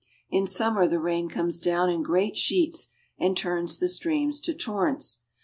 In summer the rain comes down in great sheets and turns the streams to torrents.